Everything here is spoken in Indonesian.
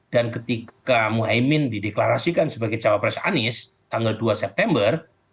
dan ketika muhyiddin iskandar dideklarasikan sebagai calon presiden anies tanggal dua september